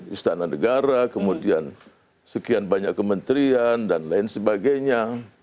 istana negara kemudian sekian banyak kementerian dan lain sebagainya